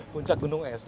puncak gunung es